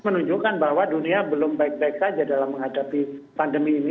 menunjukkan bahwa dunia belum baik baik saja dalam menghadapi pandemi ini